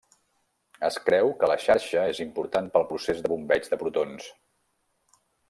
Es creu que la xarxa és important pel procés de bombeig de protons.